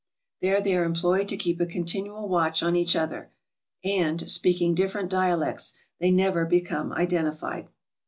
There they are employed to keep a continual watch on each other ; and, speaking different dialects, they never become identified.